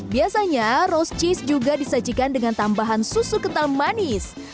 biasanya rose cheese juga disajikan dengan tambahan susu kental manis